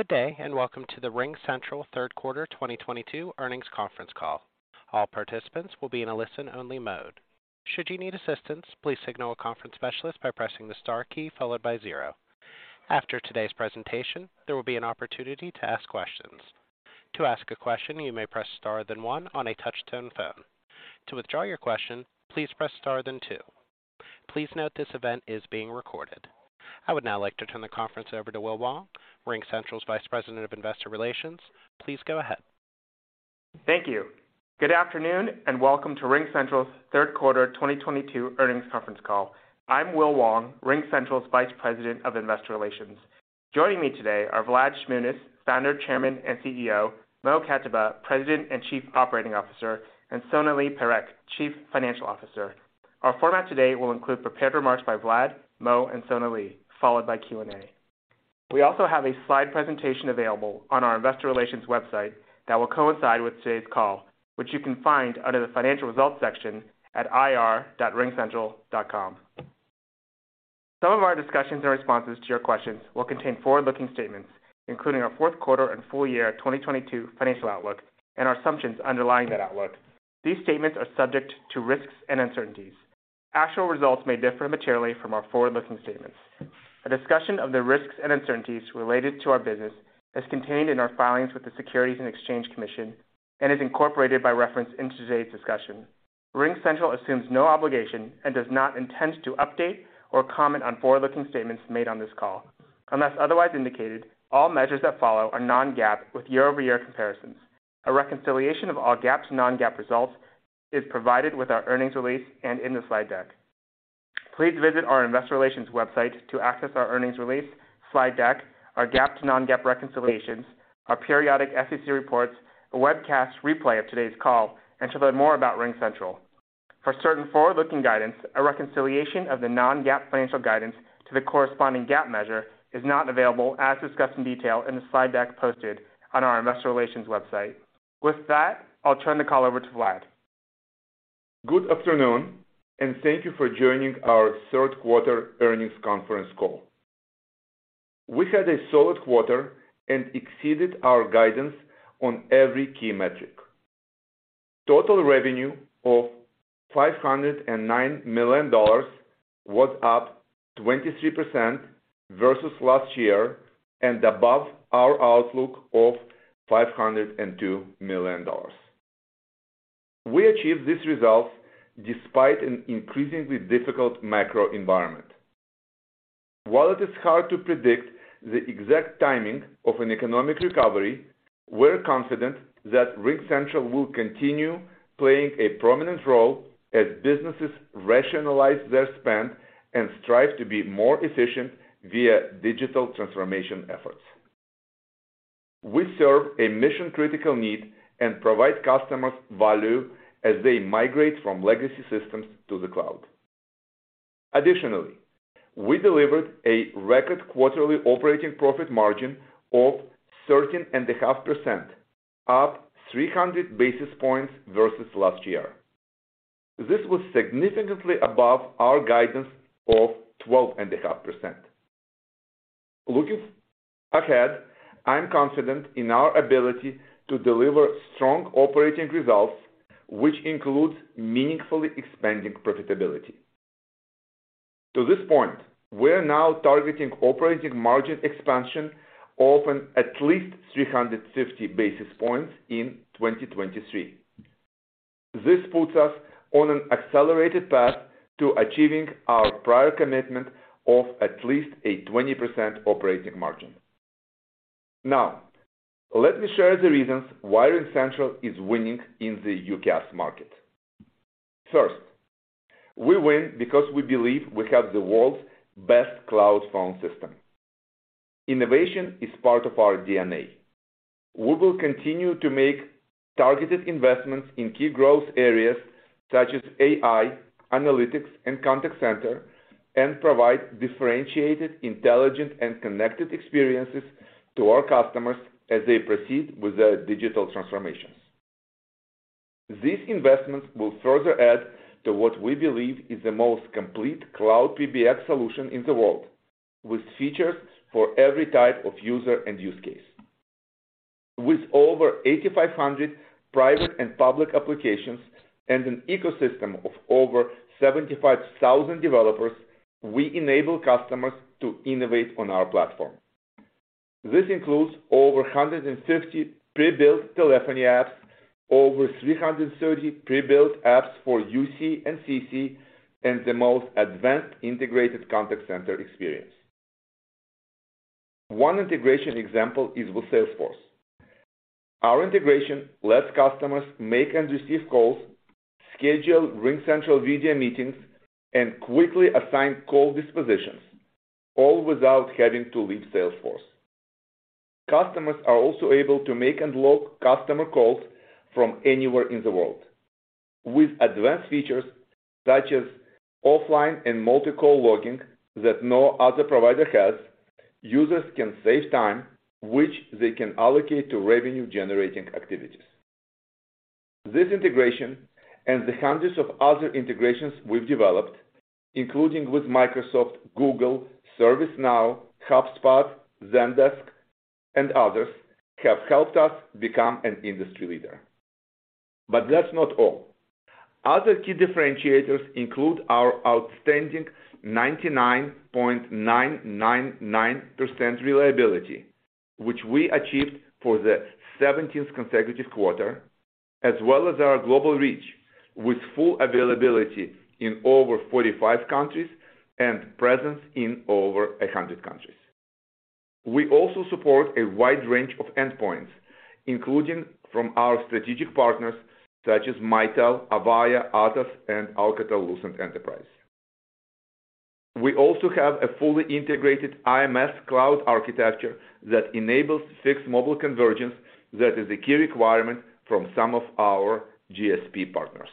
Good day, and welcome to the RingCentral Third Quarter 2022 Earnings Conference Call. All participants will be in a listen-only mode. Should you need assistance, please signal a conference specialist by pressing the star key followed by zero. After today's presentation, there will be an opportunity to ask questions. To ask a question, you may press star then one on a touch-tone phone. To withdraw your question, please press star then two. Please note this event is being recorded. I would now like to turn the conference over to Will Wong, RingCentral's Vice President of Investor Relations. Please go ahead. Thank you. Good afternoon, and welcome to RingCentral's Third Quarter 2022 Earnings Conference Call. I'm Will Wong, RingCentral's Vice President of Investor Relations. Joining me today are Vlad Shmunis, Founder, Chairman, and CEO, Mo Katibeh, President and Chief Operating Officer, and Sonalee Parekh, Chief Financial Officer. Our format today will include prepared remarks by Vlad, Mo, and Sonalee, followed by Q&A. We also have a slide presentation available on our investor relations website that will coincide with today's call, which you can find under the Financial Results section at ir.ringcentral.com. Some of our discussions or responses to your questions will contain forward-looking statements, including our fourth quarter and full year 2022 financial outlook and our assumptions underlying that outlook. These statements are subject to risks and uncertainties. Actual results may differ materially from our forward-looking statements. A discussion of the risks and uncertainties related to our business is contained in our filings with the Securities and Exchange Commission and is incorporated by reference in today's discussion. RingCentral assumes no obligation and does not intend to update or comment on forward-looking statements made on this call. Unless otherwise indicated, all measures that follow are non-GAAP with year-over-year comparisons. A reconciliation of all GAAP to non-GAAP results is provided with our earnings release and in the slide deck. Please visit our investor relations website to access our earnings release, slide deck, our GAAP to non-GAAP reconciliations, our periodic SEC reports, a webcast replay of today's call, and to learn more about RingCentral. For certain forward-looking guidance, a reconciliation of the non-GAAP financial guidance to the corresponding GAAP measure is not available as discussed in detail in the slide deck posted on our investor relations website. With that, I'll turn the call over to Vlad. Good afternoon, and thank you for joining our third quarter earnings conference call. We had a solid quarter and exceeded our guidance on every key metric. Total revenue of $509 million was up 23% versus last year and above our outlook of $502 million. We achieved these results despite an increasingly difficult macro environment. While it is hard to predict the exact timing of an economic recovery, we're confident that RingCentral will continue playing a prominent role as businesses rationalize their spend and strive to be more efficient via digital transformation efforts. We serve a mission-critical need and provide customers value as they migrate from legacy systems to the cloud. Additionally, we delivered a record quarterly operating profit margin of 13.5%, up 300 basis points versus last year. This was significantly above our guidance of 12.5%. Looking ahead, I'm confident in our ability to deliver strong operating results, which includes meaningfully expanding profitability. To this point, we're now targeting operating margin expansion of at least 350 basis points in 2023. This puts us on an accelerated path to achieving our prior commitment of at least a 20% operating margin. Now, let me share the reasons why RingCentral is winning in the UCaaS market. First, we win because we believe we have the world's best cloud phone system. Innovation is part of our DNA. We will continue to make targeted investments in key growth areas such as AI, analytics, and contact center, and provide differentiated, intelligent, and connected experiences to our customers as they proceed with their digital transformations. These investments will further add to what we believe is the most complete cloud PBX solution in the world, with features for every type of user and use case. With over 8,500 private and public applications and an ecosystem of over 75,000 developers, we enable customers to innovate on our platform. This includes over 150 pre-built telephony apps, over 330 pre-built apps for UC and CC, and the most advanced integrated contact center experience. One integration example is with Salesforce. Our integration lets customers make and receive calls, schedule RingCentral Video meetings, and quickly assign call dispositions, all without having to leave Salesforce. Customers are also able to make and log customer calls from anywhere in the world. With advanced features such as offline and multi-call logging that no other provider has, users can save time, which they can allocate to revenue-generating activities. This integration and the hundreds of other integrations we've developed, including with Microsoft, Google, ServiceNow, HubSpot, Zendesk, and others, have helped us become an industry leader. That's not all. Other key differentiators include our outstanding 99.999% reliability, which we achieved for the 17th consecutive quarter, as well as our global reach, with full availability in over 45 countries and presence in over 100 countries. We also support a wide range of endpoints, including from our strategic partners such as Mitel, Avaya, Atos, and Alcatel-Lucent Enterprise. We also have a fully integrated IMS cloud architecture that enables fixed mobile convergence that is a key requirement from some of our GSP partners.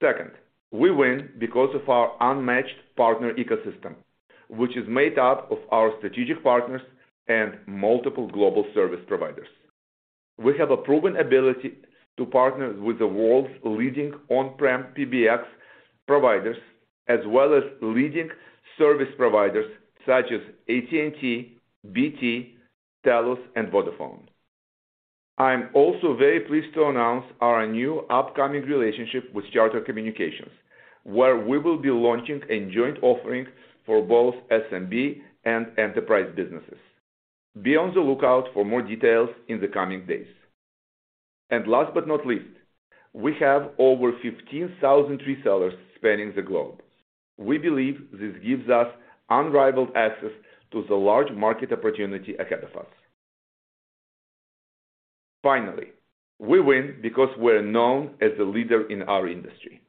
Second, we win because of our unmatched partner ecosystem, which is made up of our strategic partners and multiple global service providers. We have a proven ability to partner with the world's leading on-prem PBX providers, as well as leading service providers such as AT&T, BT, Telus, and Vodafone. I'm also very pleased to announce our new upcoming relationship with Charter Communications, where we will be launching a joint offering for both SMB and enterprise businesses. Be on the lookout for more details in the coming days. Last but not least, we have over 15,000 resellers spanning the globe. We believe this gives us unrivaled access to the large market opportunity ahead of us. Finally, we win because we're known as the leader in our industry.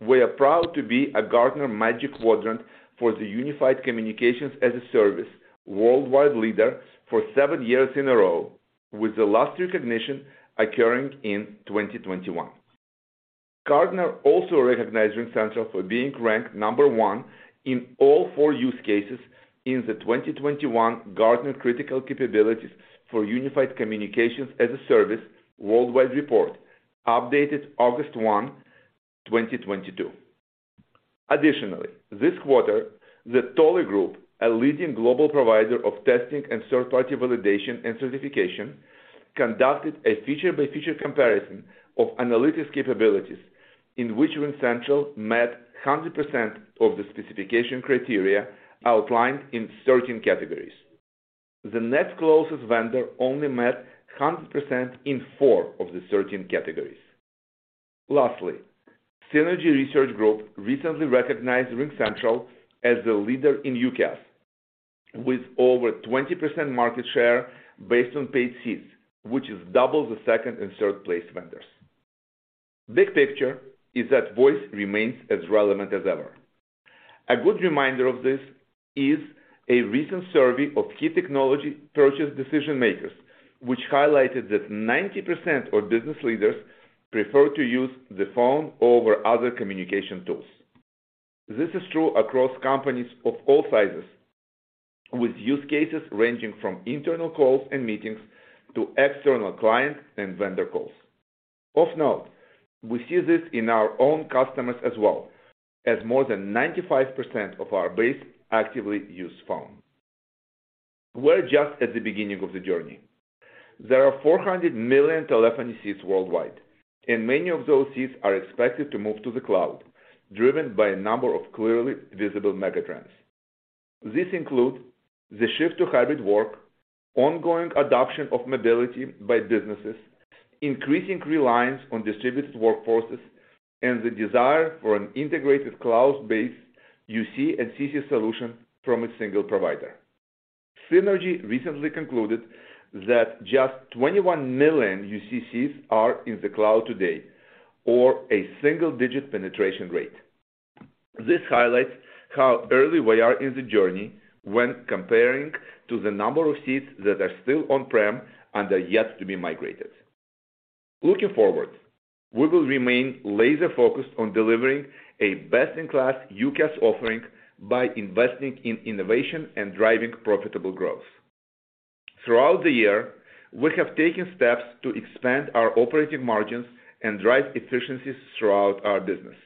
We are proud to be a Gartner Magic Quadrant for the Unified Communications as a Service worldwide leader for seven years in a row, with the last recognition occurring in 2021. Gartner also recognized RingCentral for being ranked number one in all four use cases in the 2021 Gartner Critical Capabilities for Unified Communications as a Service worldwide report, updated 1 August 2022. Additionally, this quarter, The Tolly Group, a leading global provider of testing and third-party validation and certification, conducted a feature-by-feature comparison of analytics capabilities in which RingCentral met 100% of the specification criteria outlined in 13 categories. The next closest vendor only met 100% in 4 of the 13 categories. Lastly, Synergy Research Group recently recognized RingCentral as the leader in UCaaS, with over 20% market share based on paid seats, which is double the second and third-place vendors. Big picture is that voice remains as relevant as ever. A good reminder of this is a recent survey of key technology purchase decision-makers, which highlighted that 90% of business leaders prefer to use the phone over other communication tools. This is true across companies of all sizes, with use cases ranging from internal calls and meetings to external client and vendor calls. Of note, we see this in our own customers as well, as more than 95% of our base actively use phone. We're just at the beginning of the journey. There are 400 million telephony seats worldwide, and many of those seats are expected to move to the cloud, driven by a number of clearly visible megatrends. This includes the shift to hybrid work, ongoing adoption of mobility by businesses, increasing reliance on distributed workforces, and the desire for an integrated cloud-based UC and CC solution from a single provider. Synergy recently concluded that just 21 million UCaaS are in the cloud today or a single-digit penetration rate. This highlights how early we are in the journey when comparing to the number of seats that are still on-prem and are yet to be migrated. Looking forward, we will remain laser-focused on delivering a best-in-class UCaaS offering by investing in innovation and driving profitable growth. Throughout the year, we have taken steps to expand our operating margins and drive efficiencies throughout our business.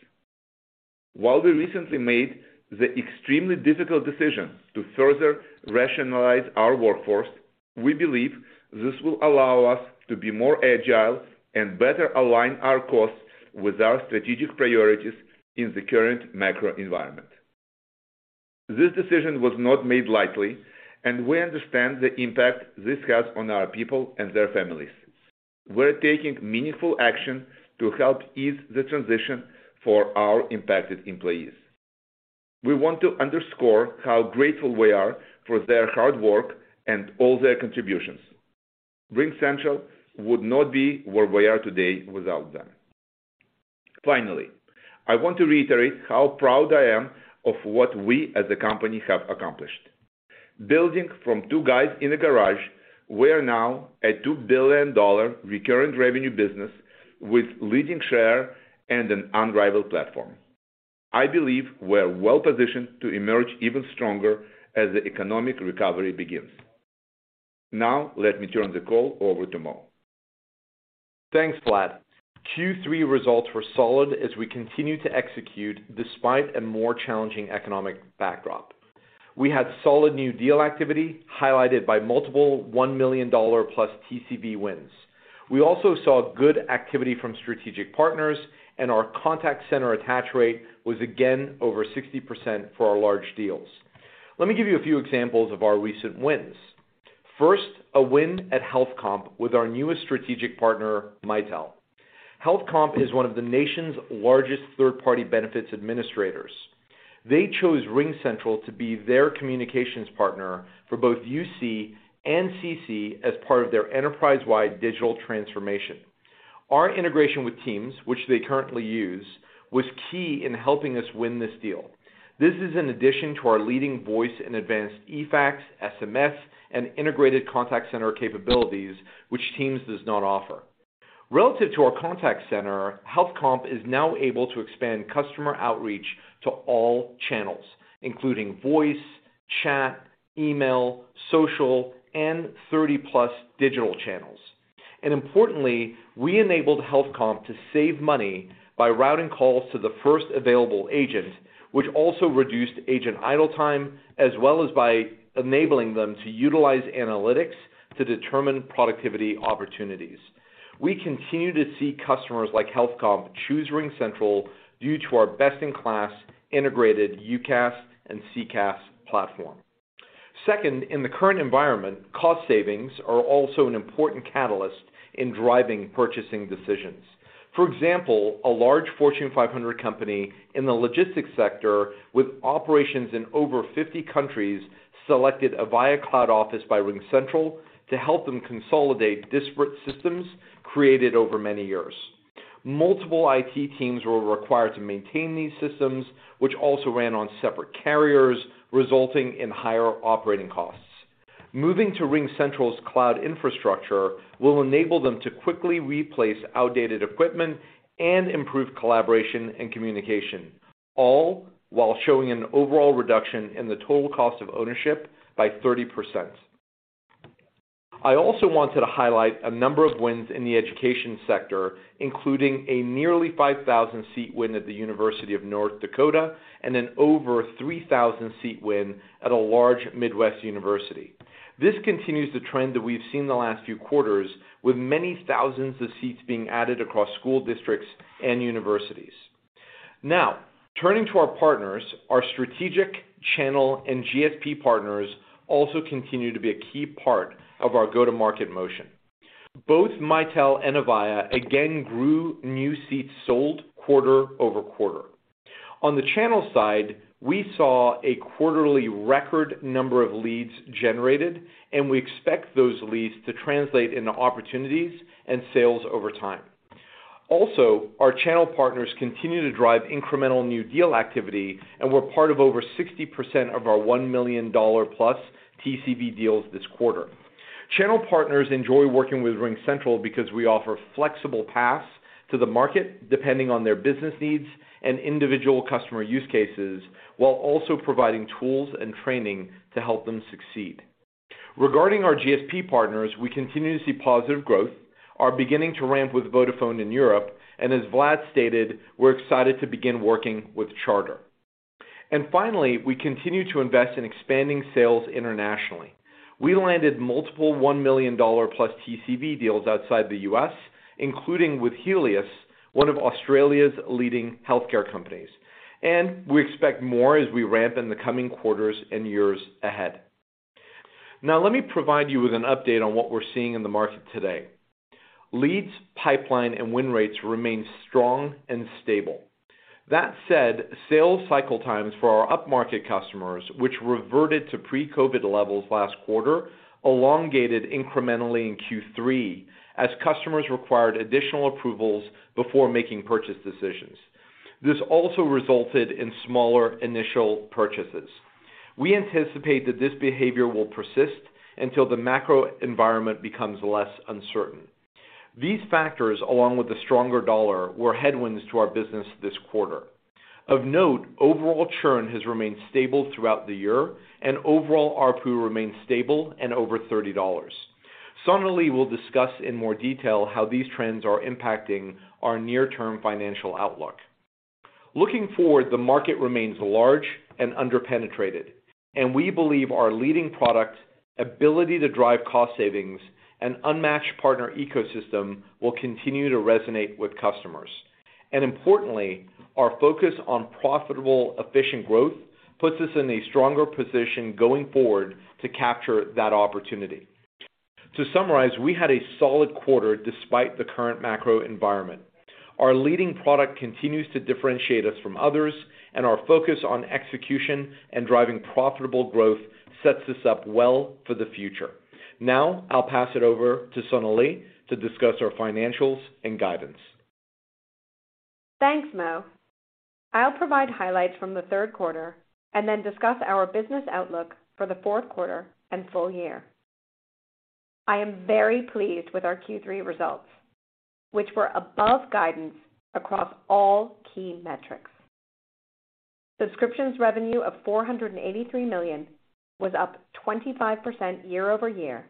While we recently made the extremely difficult decision to further rationalize our workforce, we believe this will allow us to be more agile and better align our costs with our strategic priorities in the current macro environment. This decision was not made lightly, and we understand the impact this has on our people and their families. We're taking meaningful action to help ease the transition for our impacted employees. We want to underscore how grateful we are for their hard work and all their contributions. RingCentral would not be where we are today without them. Finally, I want to reiterate how proud I am of what we as a company have accomplished. Building from two guys in a garage, we are now a $2 billion recurring revenue business with leading share and an unrivaled platform. I believe we're well-positioned to emerge even stronger as the economic recovery begins. Now, let me turn the call over to Mo. Thanks, Vlad. Q3 results were solid as we continue to execute despite a more challenging economic backdrop. We had solid new deal activity highlighted by multiple $1 million+ TCB wins. We also saw good activity from strategic partners, and our contact center attach rate was again over 60% for our large deals. Let me give you a few examples of our recent wins. First, a win at HealthComp with our newest strategic partner, Mitel. HealthComp is one of the nation's largest third-party benefits administrators. They chose RingCentral to be their communications partner for both UC and CC as part of their enterprise-wide digital transformation. Our integration with Teams, which they currently use, was key in helping us win this deal. This is in addition to our leading voice and advanced eFax, SMS, and integrated contact center capabilities, which Teams does not offer. Relative to our contact center, HealthComp is now able to expand customer outreach to all channels, including voice, chat, email, social, and 30+ digital channels. Importantly, we enabled HealthComp to save money by routing calls to the first available agent, which also reduced agent idle time, as well as by enabling them to utilize analytics to determine productivity opportunities. We continue to see customers like HealthComp choose RingCentral due to our best-in-class integrated UCaaS and CCaaS platform. Second, in the current environment, cost savings are also an important catalyst in driving purchasing decisions. For example, a large Fortune 500 company in the logistics sector with operations in over 50 countries selected Avaya Cloud Office by RingCentral to help them consolidate disparate systems created over many years. Multiple IT teams were required to maintain these systems, which also ran on separate carriers, resulting in higher operating costs. Moving to RingCentral's cloud infrastructure will enable them to quickly replace outdated equipment and improve collaboration and communication, all while showing an overall reduction in the total cost of ownership by 30%. I also wanted to highlight a number of wins in the education sector, including a nearly 5,000-seat win at the University of North Dakota and an over 3,000-seat win at a large Midwest university. This continues the trend that we've seen in the last few quarters, with many thousands of seats being added across school districts and universities. Now, turning to our partners, our strategic channel and GSP partners also continue to be a key part of our go-to-market motion. Both Mitel and Avaya again grew new seats sold quarter-over-quarter. On the channel side, we saw a quarterly record number of leads generated, and we expect those leads to translate into opportunities and sales over time. Also, our channel partners continue to drive incremental new deal activity, and were part of over 60% of our $1 million plus TCB deals this quarter. Channel partners enjoy working with RingCentral because we offer flexible paths to the market depending on their business needs and individual customer use cases while also providing tools and training to help them succeed. Regarding our GSP partners, we continue to see positive growth, are beginning to ramp with Vodafone in Europe, and as Vlad stated, we're excited to begin working with Charter. Finally, we continue to invest in expanding sales internationally. We landed multiple $1 million plus TCB deals outside the U.S., including with Healius, one of Australia's leading healthcare companies. We expect more as we ramp in the coming quarters and years ahead. Now, let me provide you with an update on what we're seeing in the market today. Leads, pipeline, and win rates remain strong and stable. That said, sales cycle times for our up-market customers, which reverted to pre-COVID levels last quarter, elongated incrementally in Q3 as customers required additional approvals before making purchase decisions. This also resulted in smaller initial purchases. We anticipate that this behavior will persist until the macro environment becomes less uncertain. These factors, along with the stronger dollar, were headwinds to our business this quarter. Of note, overall churn has remained stable throughout the year, and overall ARPU remains stable and over $30. Sonalee will discuss in more detail how these trends are impacting our near-term financial outlook. Looking forward, the market remains large and under-penetrated, and we believe our leading product ability to drive cost savings and unmatched partner ecosystem will continue to resonate with customers. Importantly, our focus on profitable, efficient growth puts us in a stronger position going forward to capture that opportunity. To summarize, we had a solid quarter despite the current macro environment. Our leading product continues to differentiate us from others, and our focus on execution and driving profitable growth sets us up well for the future. Now, I'll pass it over to Sonalee to discuss our financials and guidance. Thanks, Mo. I'll provide highlights from the third quarter and then discuss our business outlook for the fourth quarter and full year. I am very pleased with our Q3 results, which were above guidance across all key metrics. Subscriptions revenue of $483 million was up 25% year-over-year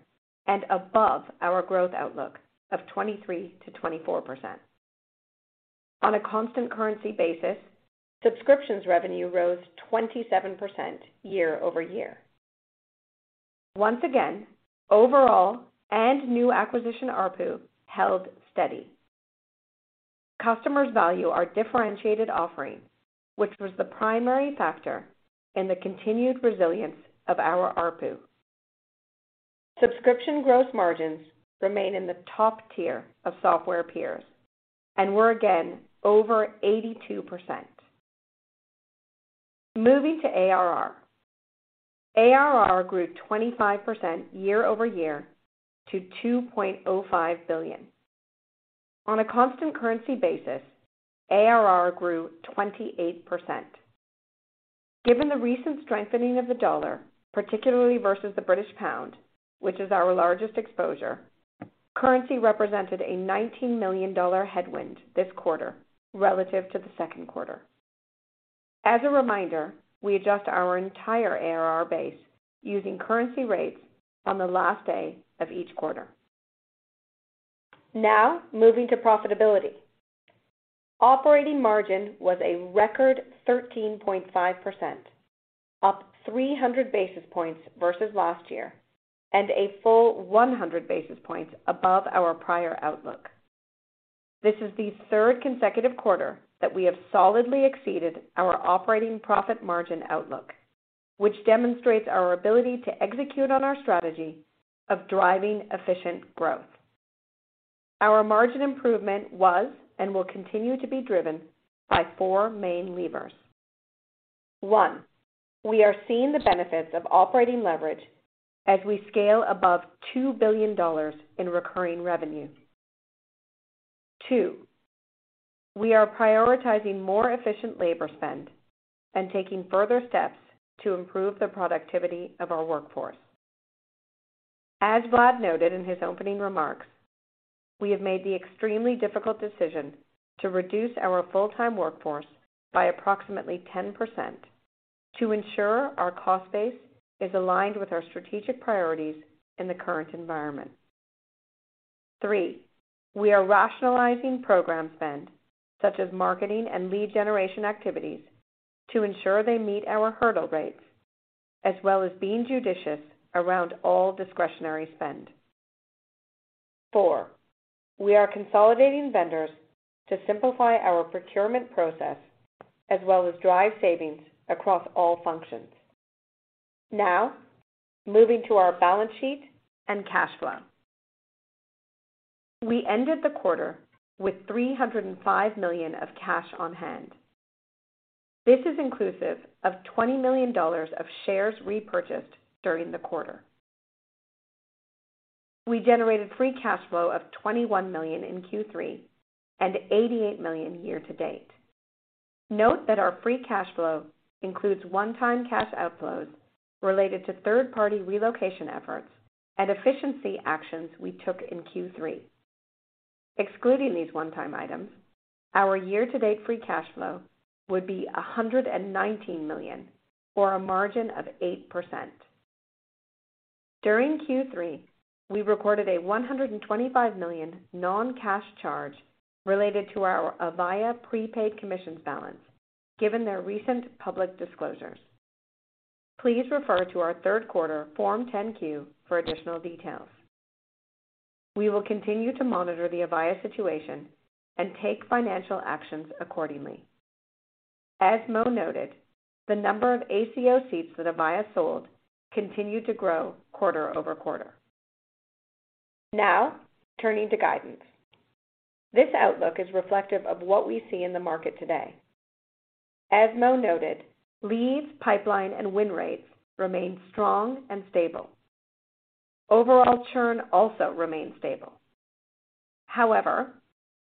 and above our growth outlook of 23%-24%. On a constant currency basis, subscriptions revenue rose 27% year-over-year. Once again, overall and new acquisition ARPU held steady. Customers value our differentiated offerings, which was the primary factor in the continued resilience of our ARPU. Subscription growth margins remain in the top tier of software peers and were again over 82%. Moving to ARR. ARR grew 25% year-over-year to $2.05 billion. On a constant currency basis, ARR grew 28%. Given the recent strengthening of the dollar, particularly versus the British pound, which is our largest exposure, currency represented a $19 million headwind this quarter relative to the second quarter. As a reminder, we adjust our entire ARR base using currency rates on the last day of each quarter. Now, moving to profitability. Operating margin was a record 13.5%, up 300 basis points versus last year, and a full 100 basis points above our prior outlook. This is the third consecutive quarter that we have solidly exceeded our operating profit margin outlook, which demonstrates our ability to execute on our strategy of driving efficient growth. Our margin improvement was and will continue to be driven by four main levers. One, we are seeing the benefits of operating leverage as we scale above $2 billion in recurring revenue. Two, we are prioritizing more efficient labor spend and taking further steps to improve the productivity of our workforce. As Vlad noted in his opening remarks, we have made the extremely difficult decision to reduce our full-time workforce by approximately 10% to ensure our cost base is aligned with our strategic priorities in the current environment. Three, we are rationalizing program spend, such as marketing and lead generation activities, to ensure they meet our hurdle rates, as well as being judicious around all discretionary spend. Four, we are consolidating vendors to simplify our procurement process as well as drive savings across all functions. Now, moving to our balance sheet and cash flow. We ended the quarter with $305 million of cash on hand. This is inclusive of $20 million of shares repurchased during the quarter. We generated free cash flow of $21 million in Q3 and $88 million year to date. Note that our free cash flow includes one-time cash outflows related to third-party relocation efforts and efficiency actions we took in Q3. Excluding these one-time items, our year-to-date free cash flow would be $119 million, or a margin of 8%. During Q3, we recorded a $125 million non-cash charge related to our Avaya prepaid commissions balance given their recent public disclosures. Please refer to our third quarter Form 10-Q for additional details. We will continue to monitor the Avaya situation and take financial actions accordingly. As Mo noted, the number of ACO seats that Avaya sold continued to grow quarter-over-quarter. Now turning to guidance. This outlook is reflective of what we see in the market today. As Mo noted, leads, pipeline, and win rates remain strong and stable. Overall churn also remains stable. However,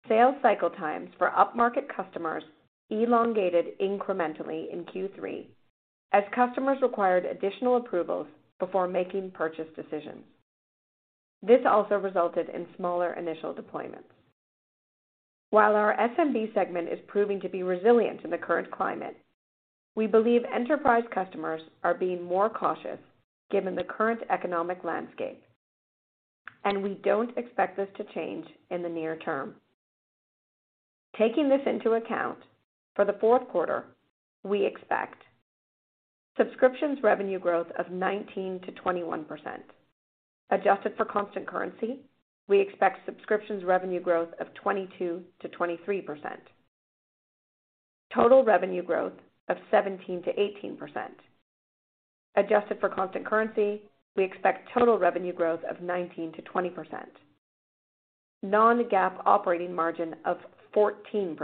sales cycle times for upmarket customers elongated incrementally in Q3 as customers required additional approvals before making purchase decisions. This also resulted in smaller initial deployments. While our SMB segment is proving to be resilient in the current climate, we believe enterprise customers are being more cautious given the current economic landscape, and we don't expect this to change in the near term. Taking this into account, for the fourth quarter, we expect subscriptions revenue growth of 19%-21%. Adjusted for constant currency, we expect subscriptions revenue growth of 22%-23%. Total revenue growth of 17%-18%. Adjusted for constant currency, we expect total revenue growth of 19%-20%. Non-GAAP operating margin of 14%,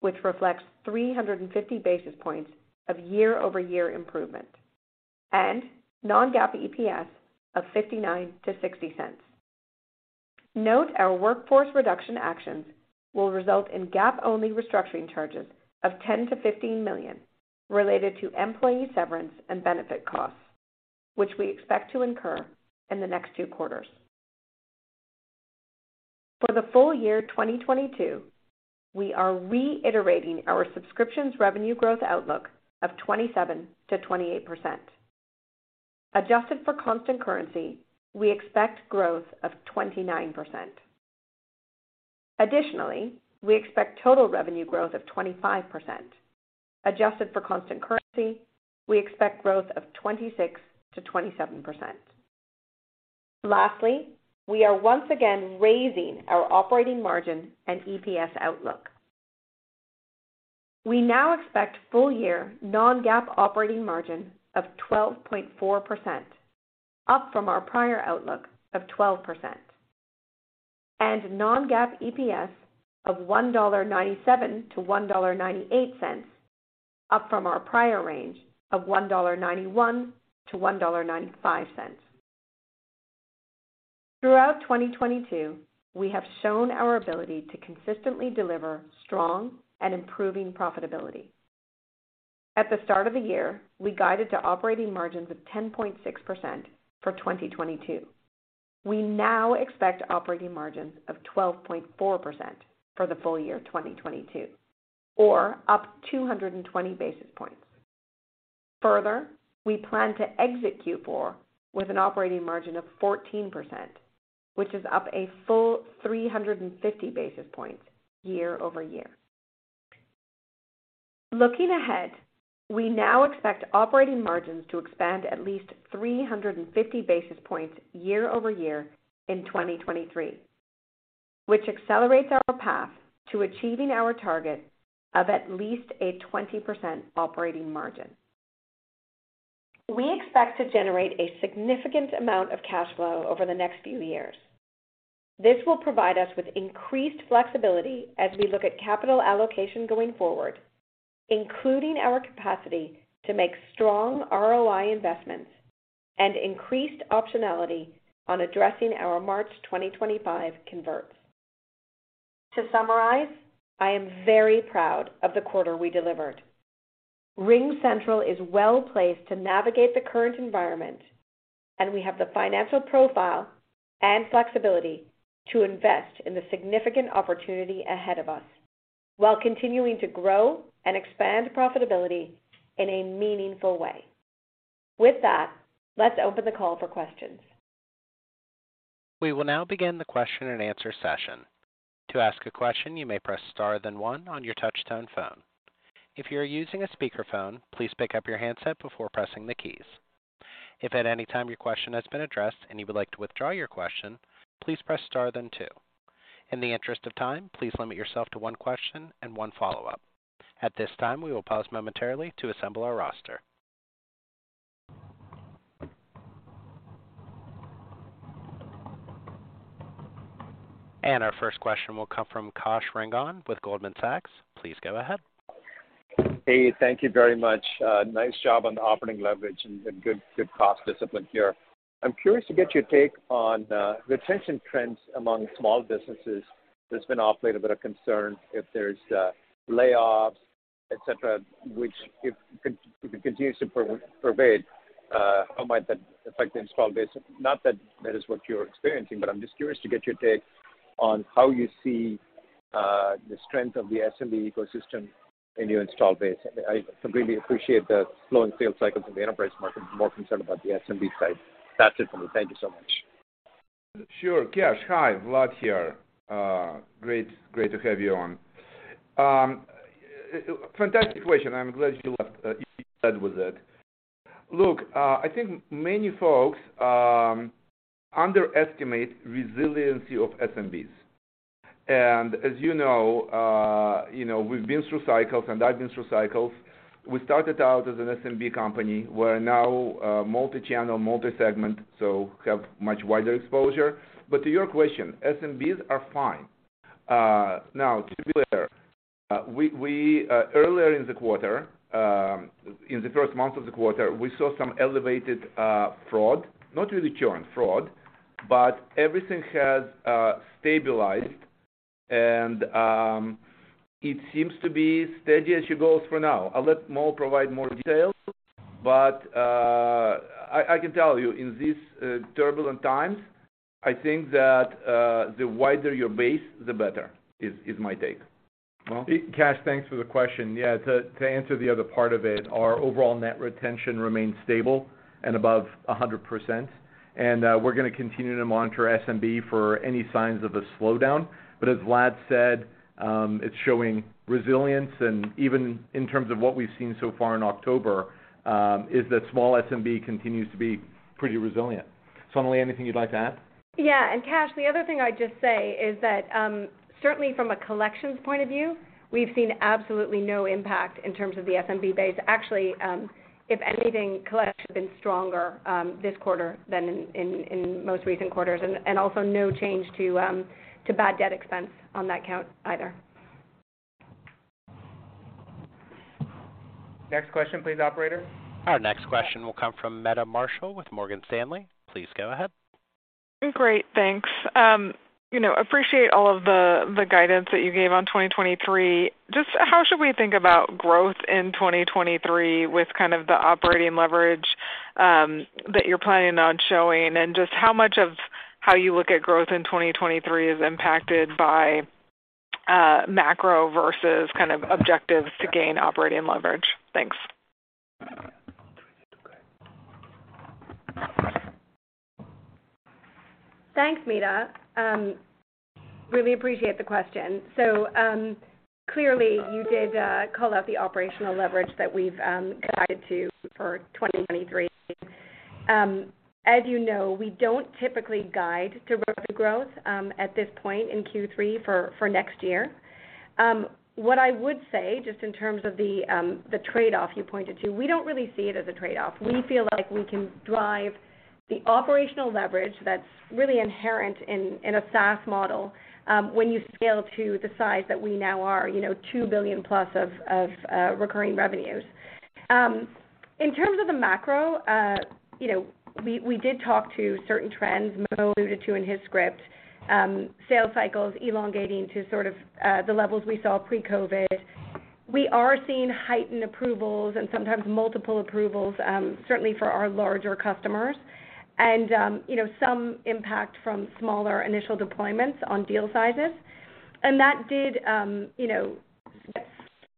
which reflects 350 basis points of year-over-year improvement. And non-GAAP EPS of $0.59-$0.60. Note our workforce reduction actions will result in GAAP-only restructuring charges of $10-$15 million related to employee severance and benefit costs, which we expect to incur in the next two quarters. For the full year 2022, we are reiterating our subscriptions revenue growth outlook of 27%-28%. Adjusted for constant currency, we expect growth of 29%. Additionally, we expect total revenue growth of 25%. Adjusted for constant currency, we expect growth of 26%-27%. Lastly, we are once again raising our operating margin and EPS outlook. We now expect full year non-GAAP operating margin of 12.4%, up from our prior outlook of 12%, and non-GAAP EPS of $1.97-$1.98, up from our prior range of $1.91-$1.95. Throughout 2022, we have shown our ability to consistently deliver strong and improving profitability. At the start of the year, we guided to operating margins of 10.6% for 2022. We now expect operating margins of 12.4% for the full year 2022, or up 220 basis points. Further, we plan to exit Q4 with an operating margin of 14%, which is up a full 350 basis points year over year. Looking ahead, we now expect operating margins to expand at least 350 basis points year over year in 2023, which accelerates our path to achieving our target of at least a 20% operating margin. We expect to generate a significant amount of cash flow over the next few years. This will provide us with increased flexibility as we look at capital allocation going forward, including our capacity to make strong ROI investments and increased optionality on addressing our March 2025 converts. To summarize, I am very proud of the quarter we delivered. RingCentral is well-placed to navigate the current environment, and we have the financial profile and flexibility to invest in the significant opportunity ahead of us while continuing to grow and expand profitability in a meaningful way. With that, let's open the call for questions. We will now begin the question and answer session. To ask a question, you may press star, then one on your touch-tone phone. If you are using a speakerphone, please pick up your handset before pressing the keys. If at any time your question has been addressed and you would like to withdraw your question, please press star, then two. In the interest of time, please limit yourself to one question and one follow-up. At this time, we will pause momentarily to assemble our roster. Our first question will come from Kash Rangan with Goldman Sachs. Please go ahead. Hey, thank you very much. Nice job on the operating leverage and the good cost discipline here. I'm curious to get your take on retention trends among small businesses that's been of late a bit of concern if there's layoffs, et cetera, which if it continues to pervade, how might that affect the install base? Not that that is what you're experiencing, but I'm just curious to get your take on how you see the strength of the SMB ecosystem in your install base. I completely appreciate the slowing sales cycles in the enterprise market. More concerned about the SMB side. That's it for me. Thank you so much. Sure. Kash, hi. Vlad here. Great to have you on. Fantastic question. I'm glad you left us with it. Look, I think many folks underestimate resiliency of SMBs. As you know, you know, we've been through cycles, and I've been through cycles. We started out as an SMB company. We're now a multi-channel, multi-segment, so have much wider exposure. To your question, SMBs are fine. Now to be clear, we earlier in the quarter, in the first month of the quarter, we saw some elevated fraud, not really churn, but everything has stabilized, and it seems to be steady as you go for now. I'll let Mo provide more details, but I can tell you in these turbulent times, I think that the wider your base, the better is my take. Mo? Kash, thanks for the question. Yeah, to answer the other part of it, our overall net retention remains stable and above 100%. We're gonna continue to monitor SMB for any signs of a slowdown. As Vlad said, it's showing resilience, and even in terms of what we've seen so far in October, it's that small SMB continues to be pretty resilient. Sonalee, anything you'd like to add? Yeah. Kash, the other thing I'd just say is that, certainly from a collections point of view, we've seen absolutely no impact in terms of the SMB base. Actually, if anything, collection has been stronger this quarter than in most recent quarters, and also no change to bad debt expense on that count either. Next question please, operator. Our next question will come from Meta Marshall with Morgan Stanley. Please go ahead. Great, thanks. You know, appreciate all of the guidance that you gave on 2023. Just how should we think about growth in 2023 with kind of the operating leverage that you're planning on showing? Just how much of how you look at growth in 2023 is impacted by macro versus kind of objectives to gain operating leverage? Thanks. Thanks, Meta. Really appreciate the question. Clearly you did call out the operational leverage that we've guided to for 2023. As you know, we don't typically guide to revenue growth at this point in Q3 for next year. What I would say, just in terms of the trade-off you pointed to, we don't really see it as a trade-off. We feel like we can drive the operational leverage that's really inherent in a SaaS model when you scale to the size that we now are, you know, $2 billion-plus of recurring revenues. In terms of the macro, you know, we did talk to certain trends Mo alluded to in his script, sales cycles elongating to sort of the levels we saw pre-COVID. We are seeing heightened approvals and sometimes multiple approvals, certainly for our larger customers. You know, some impact from smaller initial deployments on deal sizes. That did, you know,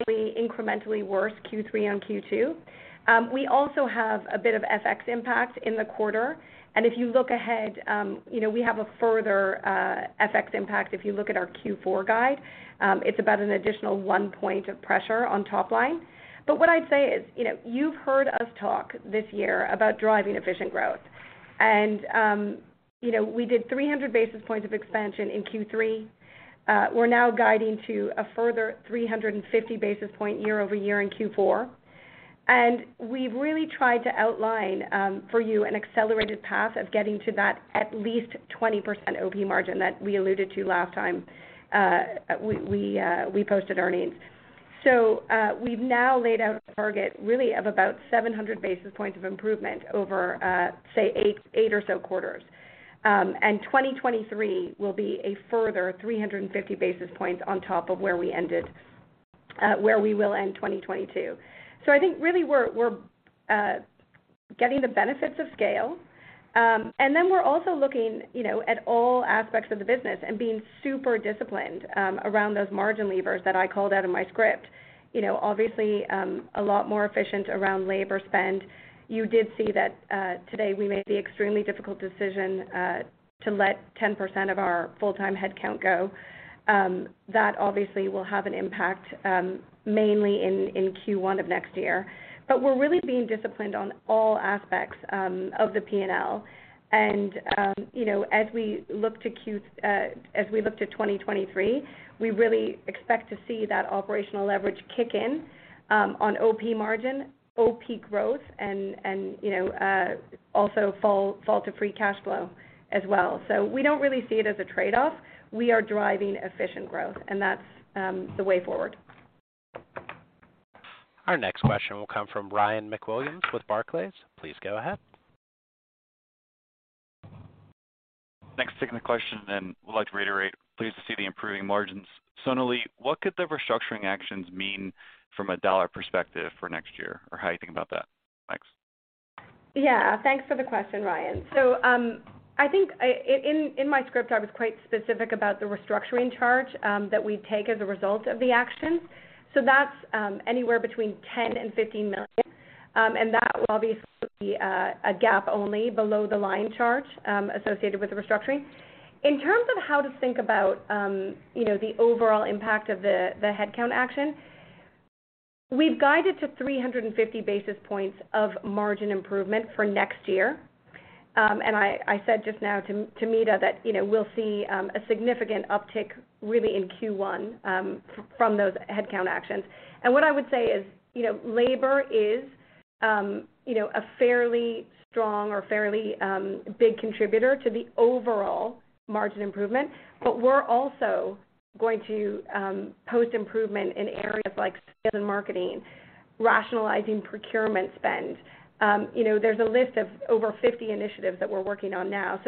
incrementally worse Q3 on Q2. We also have a bit of FX impact in the quarter. If you look ahead, you know, we have a further FX impact if you look at our Q4 guide. It's about an additional one point of pressure on top line. What I'd say is, you know, you've heard us talk this year about driving efficient growth. You know, we did 300 basis points of expansion in Q3. We're now guiding to a further 350 basis point year-over-year in Q4. We've really tried to outline for you an accelerated path of getting to that at least 20% operating margin that we alluded to last time we posted earnings. We've now laid out a target really of about 700 basis points of improvement over, say eight or so quarters. 2023 will be a further 350 basis points on top of where we will end 2022. I think really we're getting the benefits of scale. We're also looking, you know, at all aspects of the business and being super disciplined around those margin levers that I called out in my script. You know, obviously, a lot more efficient around labor spend. You did see that today we made the extremely difficult decision to let 10% of our full-time headcount go. That obviously will have an impact mainly in Q1 of next year. We're really being disciplined on all aspects of the P&L. You know, as we look to 2023, we really expect to see that operational leverage kick in on operating margin, OP growth and also flow to free cash flow as well. We don't really see it as a trade-off. We are driving efficient growth, and that's the way forward. Our next question will come from Ryan MacWilliams with Barclays. Please go ahead. Thanks for taking the question, and would like to reiterate, pleased to see the improving margins. Sonalee, what could the restructuring actions mean from a dollar perspective for next year, or how you think about that? Thanks. Yeah, thanks for the question, Ryan. I think in my script, I was quite specific about the restructuring charge that we take as a result of the actions. That's anywhere between $10 million and $15 million, and that will obviously be a GAAP-only below-the-line charge associated with the restructuring. In terms of how to think about you know the overall impact of the headcount action, we've guided to 350 basis points of margin improvement for next year. I said just now to Meta that you know we'll see a significant uptick really in Q1 from those headcount actions. What I would say is you know labor is you know a fairly strong or fairly big contributor to the overall margin improvement. We're also going to post improvement in areas like sales and marketing, rationalizing procurement spend. You know, there's a list of over 50 initiatives that we're working on now.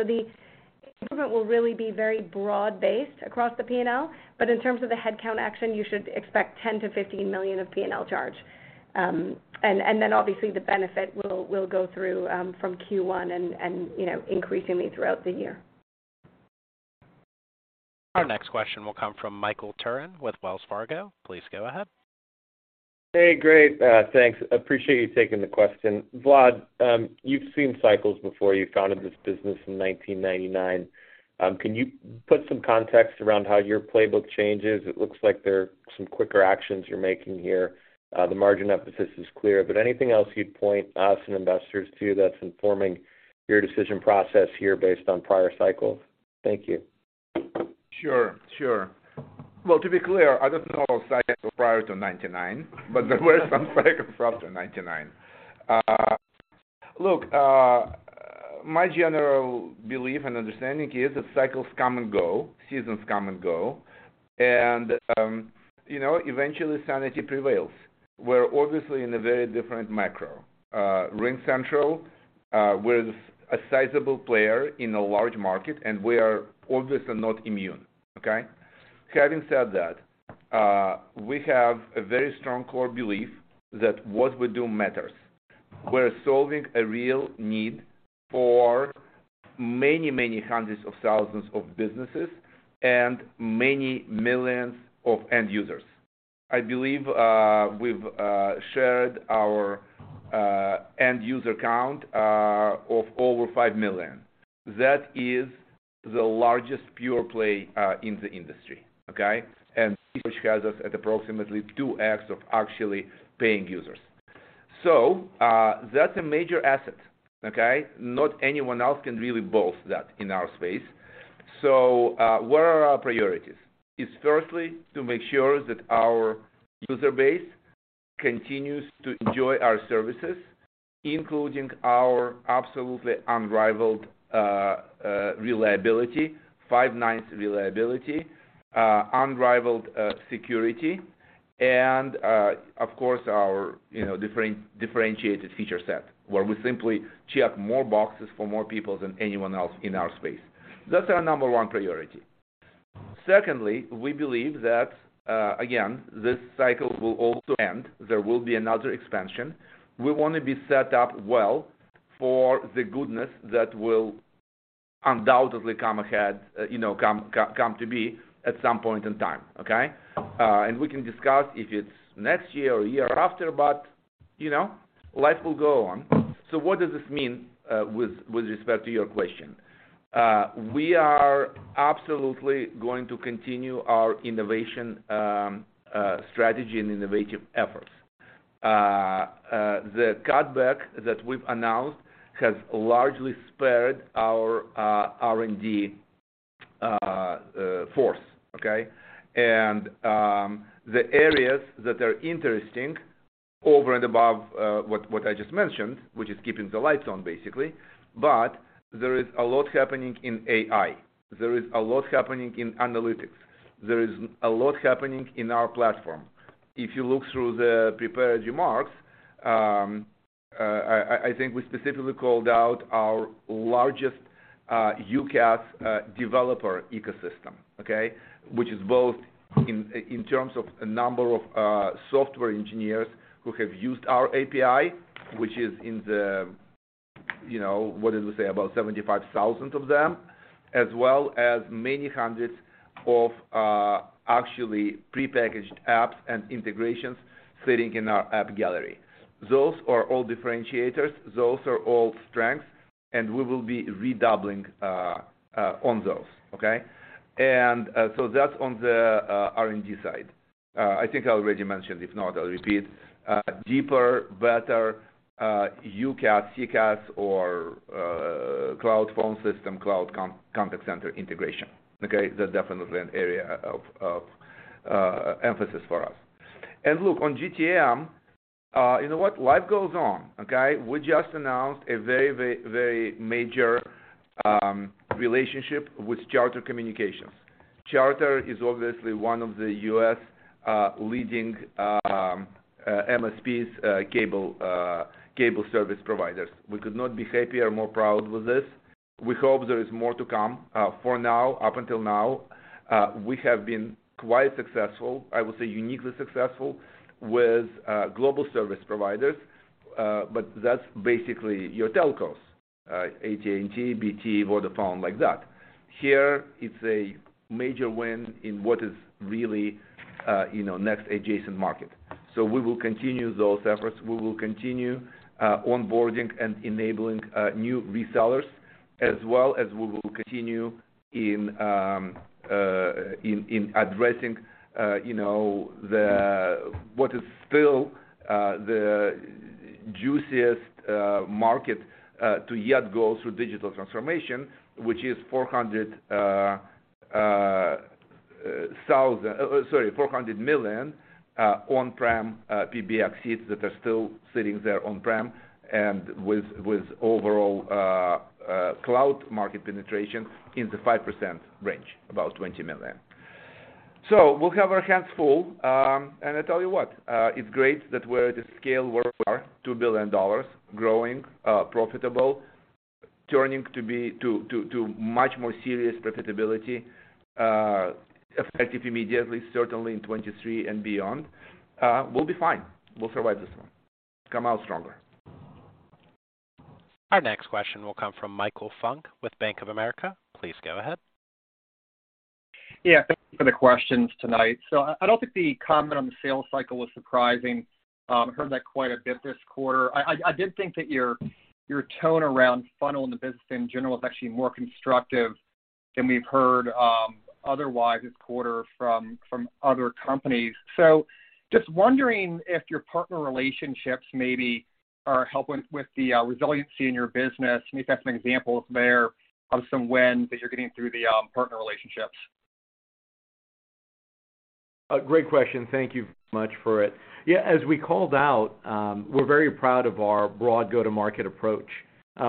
The improvement will really be very broad-based across the P&L, but in terms of the headcount action, you should expect $10 million-$15 million of P&L charge. Obviously the benefit will go through from Q1 and, you know, increasingly throughout the year. Our next question will come from Michael Turrin with Wells Fargo. Please go ahead. Hey, great, thanks. Appreciate you taking the question. Vlad, you've seen cycles before. You founded this business in 1999. Can you put some context around how your playbook changes? It looks like there are some quicker actions you're making here. The margin emphasis is clear, but anything else you'd point us and investors to that's informing your decision process here based on prior cycles? Thank you. Sure, sure. Well, to be clear, I don't know cycles prior to 1999, but there were some cycles after 1999. Look, my general belief and understanding is that cycles come and go, seasons come and go, and, you know, eventually sanity prevails. We're obviously in a very different macro. RingCentral, we're a sizable player in a large market, and we are obviously not immune. Okay? Having said that, we have a very strong core belief that what we do matters. We're solving a real need for many, many hundreds of thousands of businesses and many millions of end users. I believe, we've shared our end user count of over five million. That is the largest pure play in the industry, okay? Which has us at approximately 2x of actually paying users. That's a major asset, okay? Not anyone else can really boast that in our space. What are our priorities? It's firstly to make sure that our user base continues to enjoy our services, including our absolutely unrivaled reliability, five nines reliability, unrivaled security, and, of course, our you know, differentiated feature set, where we simply check more boxes for more people than anyone else in our space. That's our number one priority. Secondly, we believe that, again, this cycle will also end. There will be another expansion. We wanna be set up well for the goodness that will undoubtedly come ahead, you know, come to be at some point in time. Okay? We can discuss if it's next year or year after, but, you know, life will go on. What does this mean, with respect to your question? We are absolutely going to continue our innovation strategy and innovative efforts. The cutback that we've announced has largely spared our R&D force. Okay? The areas that are interesting over and above what I just mentioned, which is keeping the lights on, basically, but there is a lot happening in AI. There is a lot happening in analytics. There is a lot happening in our platform. If you look through the prepared remarks, I think we specifically called out our largest UCaaS developer ecosystem, okay? Which is both in terms of number of software engineers who have used our API, which is in the, you know, what did we say, about 75,000 of them, as well as many hundreds of actually prepackaged apps and integrations sitting in our app gallery. Those are all differentiators, those are all strengths, and we will be redoubling on those. Okay? That's on the R&D side. I think I already mentioned, if not, I'll repeat, deeper, better UCaaS, CCaaS, or cloud phone system, cloud contact center integration. Okay? That's definitely an area of emphasis for us. Look, on GTM, you know what? Life goes on. Okay? We just announced a very major relationship with Charter Communications. Charter is obviously one of the U.S. leading MSPs, cable service providers. We could not be happier, more proud with this. We hope there is more to come. For now, up until now, we have been quite successful, I would say uniquely successful, with global service providers, but that's basically your telcos, AT&T, BT, Vodafone, like that. Here, it's a major win in what is really next adjacent market. We will continue those efforts. We will continue onboarding and enabling new resellers, as well as we will continue in addressing what is still the juiciest market to yet go through digital transformation, which is 400 million on-prem PBX seats that are still sitting there on-prem, and with overall cloud market penetration in the 5% range, about 20 million. We'll have our hands full, and I tell you what, it's great that we're at a scale we are, $2 billion, growing, profitable, turning to be too much more serious profitability, effective immediately, certainly in 2023 and beyond. We'll be fine. We'll survive this one. Come out stronger. Our next question will come from Michael Funk with Bank of America. Please go ahead. Yeah. Thank you for the questions tonight. I don't think the comment on the sales cycle was surprising. I heard that quite a bit this quarter. I did think that your tone around funnel and the business in general is actually more constructive than we've heard otherwise this quarter from other companies. Just wondering if your partner relationships maybe are helping with the resiliency in your business, and if you have some examples there of some wins that you're getting through the partner relationships. A great question. Thank you much for it. Yeah, as we called out, we're very proud of our broad go-to-market approach.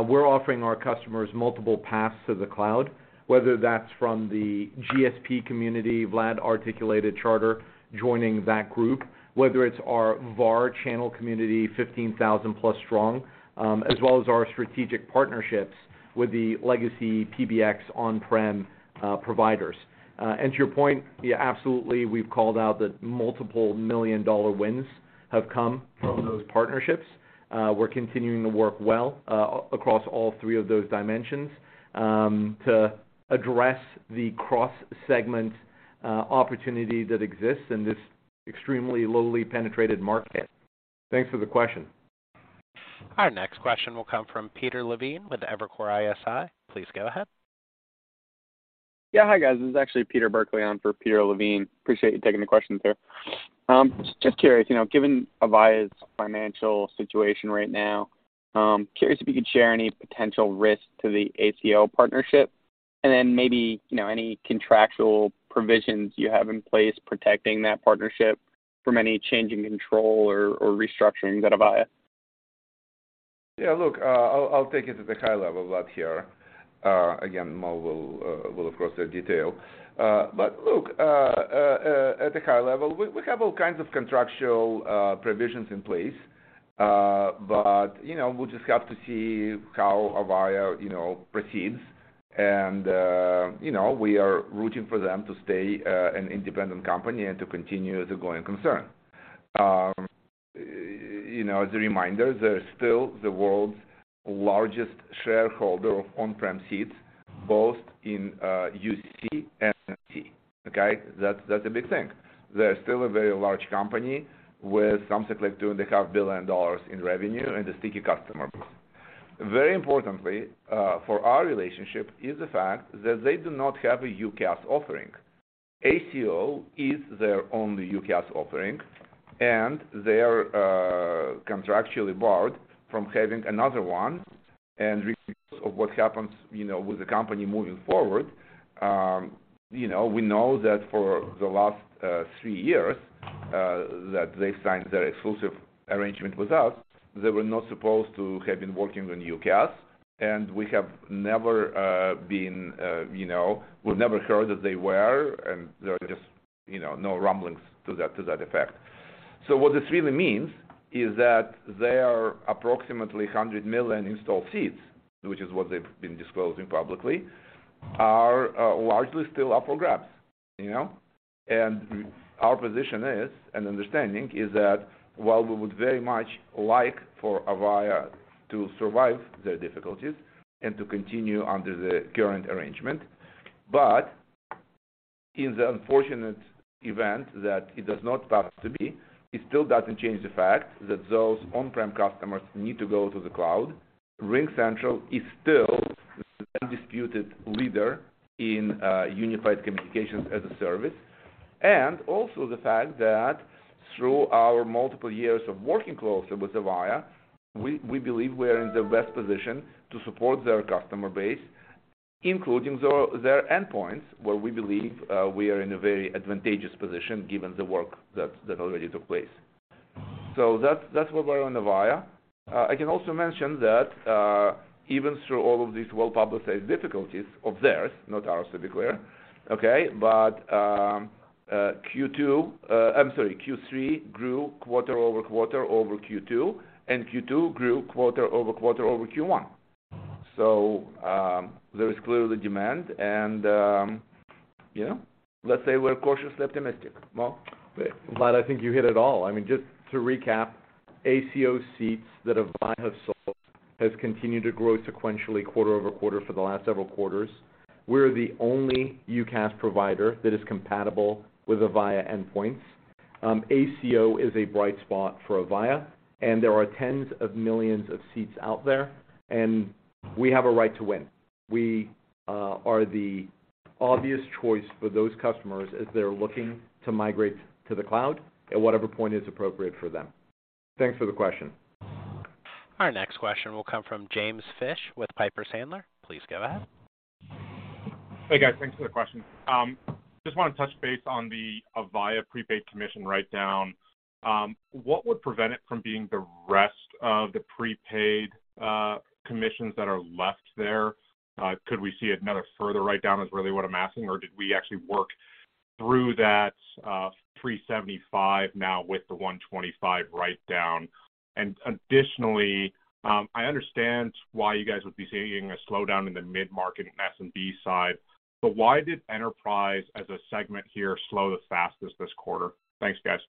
We're offering our customers multiple paths to the cloud, whether that's from the GSP community, as Vlad articulated, Charter joining that group, whether it's our VAR channel community, 15,000 plus strong, as well as our strategic partnerships with the legacy PBX on-prem providers. To your point, yeah, absolutely, we've called out that multiple million-dollar wins have come from those partnerships. We're continuing to work well across all three of those dimensions to address the cross-segment opportunity that exists in this extremely low penetration market. Thanks for the question. Our next question will come from Peter Levine with Evercore ISI. Please go ahead. Yeah. Hi, guys. This is actually Peter Burkly on for Peter Levine. Appreciate you taking the question, sir. Just curious, you know, given Avaya's financial situation right now, curious if you could share any potential risk to the ACO partnership, and then maybe, you know, any contractual provisions you have in place protecting that partnership from any change in control or restructuring of Avaya. Yeah, look, I'll take it to the high level, Vlad, here. Again, Mo will, of course, detail. But look, at the high level, we have all kinds of contractual provisions in place. You know, we'll just have to see how Avaya proceeds. You know, we are rooting for them to stay an independent company and to continue the going concern. You know, as a reminder, they're still the world's largest holder of on-prem seats, both in UC and CC. Okay? That's a big thing. They're still a very large company with something like $2.5 billion in revenue and the sticky customers. Very importantly, for our relationship is the fact that they do not have a UCaaS offering. ACO is their only UCaaS offering, and they are contractually barred from having another one. Regardless of what happens, you know, with the company moving forward, you know, we know that for the last three years that they signed their exclusive arrangement with us, they were not supposed to have been working on UCaaS, and we have never heard that they were, and there are just, you know, no rumblings to that effect. What this really means is that there are approximately 100 million installed seats, which is what they've been disclosing publicly, are largely still up for grabs, you know? Our position is, and understanding, is that while we would very much like for Avaya to survive their difficulties and to continue under the current arrangement, but in the unfortunate event that it does not have to be, it still doesn't change the fact that those on-prem customers need to go to the cloud. RingCentral is still the undisputed leader in unified communications as a service. Also the fact that through our multiple years of working closely with Avaya, we believe we are in the best position to support their customer base, including their endpoints, where we believe we are in a very advantageous position given the work that already took place. That's where we are on Avaya. I can also mention that, even through all of these well-publicized difficulties of theirs, not ours, to be clear, okay, but Q3 grew quarter-over-quarter over Q2, and Q2 grew quarter-over-quarter over Q1. There is clearly demand and, you know, let's say we're cautiously optimistic. Mo. Vlad, I think you hit it all. I mean, just to recap, ACO seats that Avaya have sold has continued to grow sequentially quarter-over-quarter for the last several quarters. We're the only UCaaS provider that is compatible with Avaya endpoints. ACO is a bright spot for Avaya, and there are tens of millions of seats out there, and we have a right to win. We are the obvious choice for those customers as they're looking to migrate to the cloud at whatever point is appropriate for them. Thanks for the question. Our next question will come from James Fish with Piper Sandler. Please go ahead. Hey, guys. Thanks for the question. Just wanna touch base on the Avaya prepaid commission write-down. What would prevent it from being the rest of the prepaid commissions that are left there? Could we see another further write-down? Is really what I'm asking, or did we actually work through that $375 now with the $125 write-down? Additionally, I understand why you guys would be seeing a slowdown in the mid-market SMB side, but why did enterprise as a segment here slow the fastest this quarter? Thanks, guys.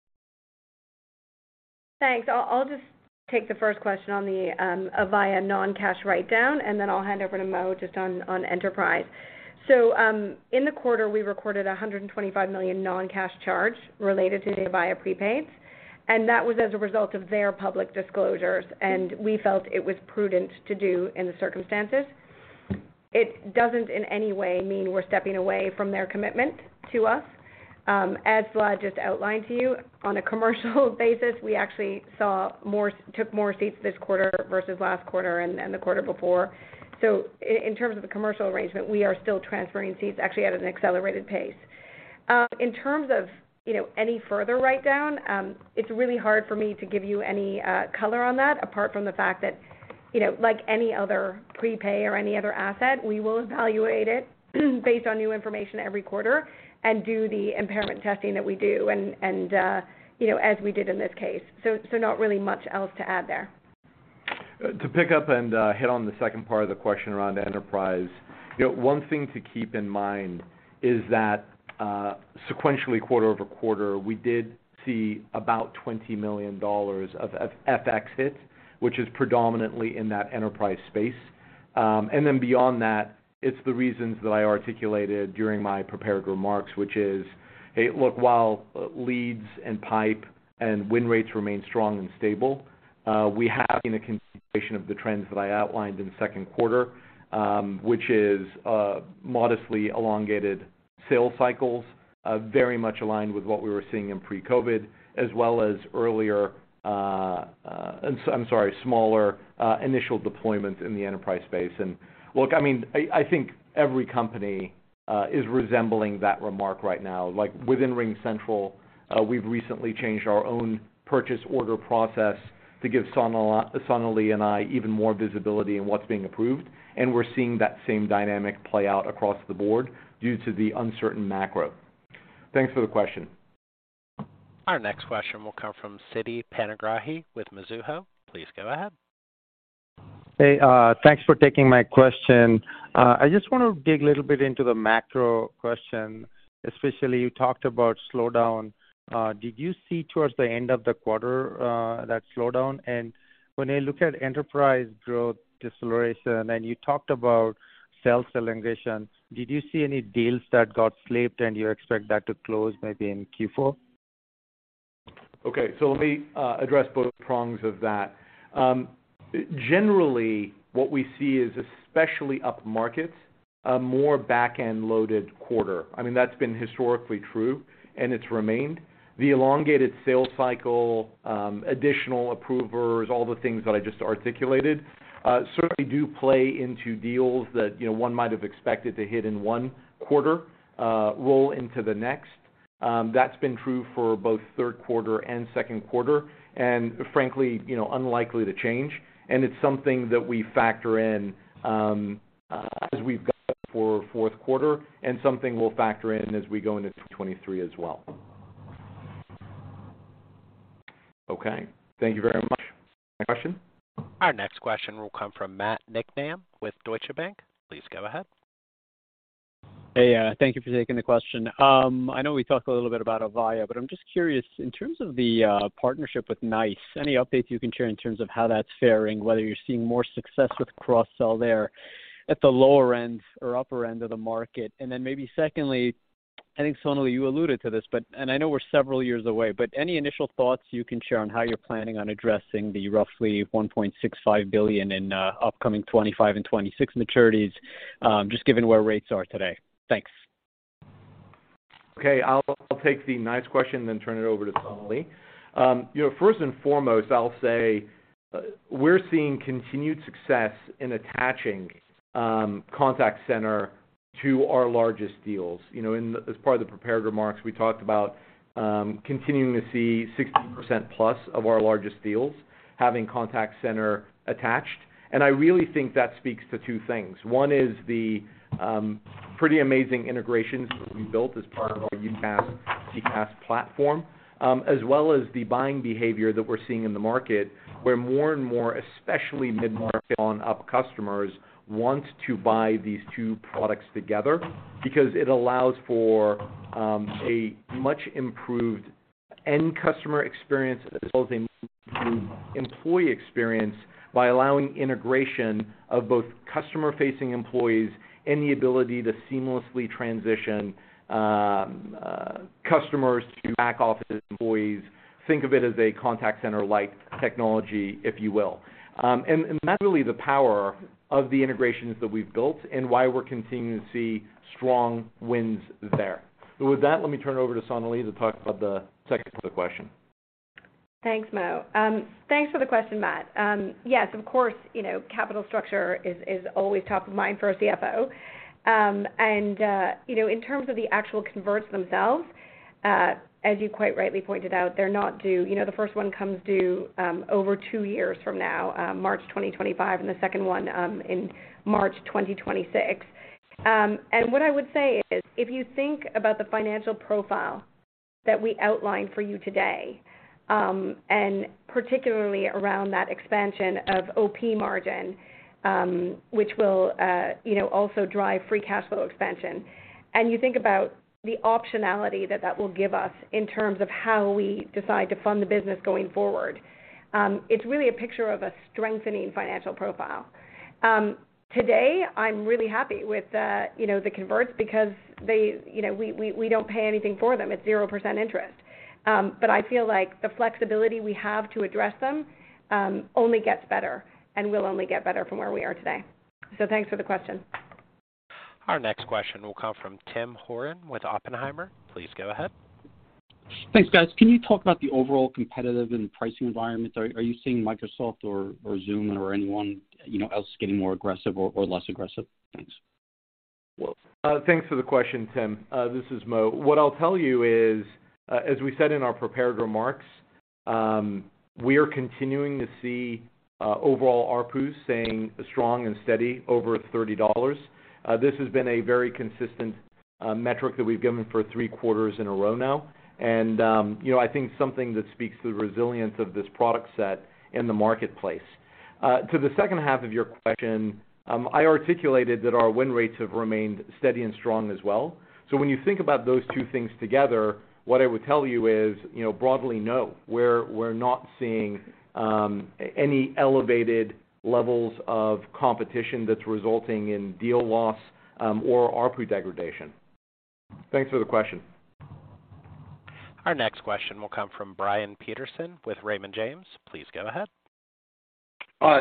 Thanks. I'll just take the first question on the Avaya non-cash write-down, and then I'll hand over to Mo just on enterprise. In the quarter, we recorded $125 million non-cash charge related to the Avaya prepaids, and that was as a result of their public disclosures, and we felt it was prudent to do in the circumstances. It doesn't in any way mean we're stepping away from their commitment to us. As Vlad just outlined to you, on a commercial basis, we actually took more seats this quarter versus last quarter and the quarter before. In terms of the commercial arrangement, we are still transferring seats actually at an accelerated pace. In terms of, you know, any further write down, it's really hard for me to give you any color on that apart from the fact that, you know, like any other prepay or any other asset, we will evaluate it based on new information every quarter and do the impairment testing that we do, you know, as we did in this case. Not really much else to add there. To pick up and hit on the second part of the question around enterprise. You know, one thing to keep in mind is that sequentially quarter-over-quarter, we did see about $20 million of FX hit, which is predominantly in that enterprise space. Then beyond that, it's the reasons that I articulated during my prepared remarks, which is, hey look, while leads and pipeline and win rates remain strong and stable, we have seen a continuation of the trends that I outlined in the second quarter, which is modestly elongated sales cycles, very much aligned with what we were seeing in pre-COVID as well as earlier, I'm sorry, smaller initial deployment in the enterprise space. Look, I mean, I think every company is experiencing that right now. Like within RingCentral, we've recently changed our own purchase order process to give Sonalee and I even more visibility in what's being approved, and we're seeing that same dynamic play out across the board due to the uncertain macro. Thanks for the question. Our next question will come from Siti Panigrahi with Mizuho. Please go ahead. Hey, thanks for taking my question. I just wanna dig a little bit into the macro question, especially you talked about slowdown. Did you see towards the end of the quarter, that slowdown? When I look at enterprise growth deceleration, and you talked about sales elongation, did you see any deals that got slipped and you expect that to close maybe in Q4? Okay. Let me address both prongs of that. Generally, what we see is especially up markets, a more back-end loaded quarter. I mean, that's been historically true and it's remained. The elongated sales cycle, additional approvers, all the things that I just articulated, certainly do play into deals that, you know, one might have expected to hit in one quarter, roll into the next. That's been true for both third quarter and second quarter, and frankly, you know, unlikely to change. It's something that we factor in, as we've got for fourth quarter and something we'll factor in as we go into 2023 as well. Okay. Thank you very much. Question? Our next question will come from Matt Niknam with Deutsche Bank. Please go ahead. Hey, thank you for taking the question. I know we talked a little bit about Avaya, but I'm just curious in terms of the partnership with NICE, any updates you can share in terms of how that's faring, whether you're seeing more success with cross-sell there at the lower end or upper end of the market? Then maybe secondly, I think, Sonalee, you alluded to this, but I know we're several years away, but any initial thoughts you can share on how you're planning on addressing the roughly $1.65 billion in upcoming 2025 and 2026 maturities, just given where rates are today? Thanks. Okay. I'll take the NICE question then turn it over to Sonalee. You know, first and foremost, I'll say, we're seeing continued success in attaching contact center to our largest deals. You know, as part of the prepared remarks, we talked about continuing to see 60%+ of our largest deals having contact center attached. I really think that speaks to two things. One is the pretty amazing integrations that we built as part of our UCaaS, CCaaS platform, as well as the buying behavior that we're seeing in the market, where more and more, especially mid-market on up customers want to buy these two products together because it allows for, a much improved end customer experience as well as a improved employee experience by allowing integration of both customer-facing employees and the ability to seamlessly transition, customers to back office employees. Think of it as a contact center-like technology, if you will. And that's really the power of the integrations that we've built and why we're continuing to see strong wins there. With that, let me turn it over to Sonalee to talk about the second part of the question. Thanks, Mo. Thanks for the question, Matt. Yes, of course, you know, capital structure is always top of mind for a CFO. You know, in terms of the actual converts themselves, as you quite rightly pointed out, they're not due. You know, the first one comes due over two years from now, March 2025, and the second one in March 2026. What I would say is if you think about the financial profile that we outlined for you today, and particularly around that expansion of operating margin, which will, you know, also drive free cash flow expansion, and you think about the optionality that that will give us in terms of how we decide to fund the business going forward, it's really a picture of a strengthening financial profile. Today I'm really happy with the, you know, the converts because they you know, we don't pay anything for them. It's 0% interest. I feel like the flexibility we have to address them only gets better and will only get better from where we are today. Thanks for the question. Our next question will come from Tim Horan with Oppenheimer. Please go ahead. Thanks, guys. Can you talk about the overall competitive and pricing environment? Are you seeing Microsoft or Zoom or anyone, you know, else getting more aggressive or less aggressive? Thanks. Thanks for the question, Tim. This is Mo. What I'll tell you is, as we said in our prepared remarks, we are continuing to see overall ARPU staying strong and steady over $30. This has been a very consistent metric that we've given for three quarters in a row now. You know, I think something that speaks to the resilience of this product set in the marketplace. To the second half of your question, I articulated that our win rates have remained steady and strong as well. When you think about those two things together, what I would tell you is, you know, broadly, no. We're not seeing any elevated levels of competition that's resulting in deal loss or ARPU degradation. Thanks for the question. Our next question will come from Brian Peterson with Raymond James. Please go ahead.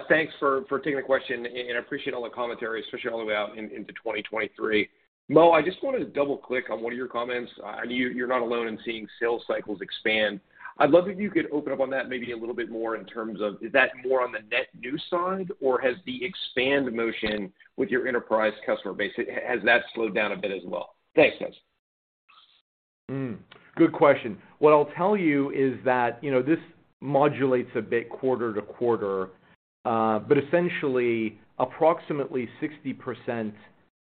Thanks for taking the question, and I appreciate all the commentary, especially all the way out into 2023. Mo, I just wanted to double-click on one of your comments. I know you're not alone in seeing sales cycles expand. I'd love if you could open up on that maybe a little bit more in terms of is that more on the net new side, or has the expand motion with your enterprise customer base, has that slowed down a bit as well? Thanks, guys. Good question. What I'll tell you is that, you know, this modulates a bit quarter to quarter, but essentially approximately 60%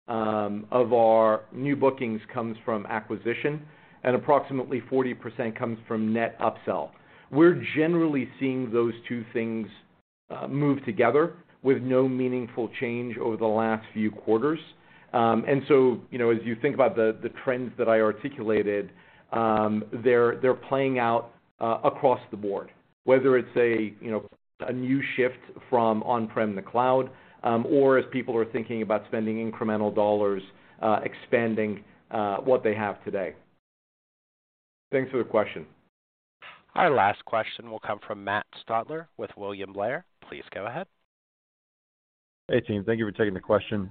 of our new bookings comes from acquisition, and approximately 40% comes from net upsell. We're generally seeing those two things move together with no meaningful change over the last few quarters. As you think about the trends that I articulated, they're playing out across the board, whether it's a new shift from on-prem to cloud, or as people are thinking about spending incremental dollars expanding what they have today. Thanks for the question. Our last question will come from Matt Stotler with William Blair. Please go ahead. Hey, team. Thank you for taking the question.